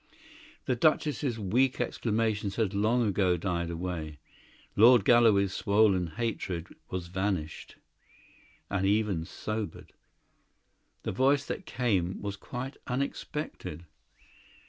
The Duchess's weak exclamations had long ago died away. Lord Galloway's swollen hatred was satisfied and even sobered. The voice that came was quite unexpected.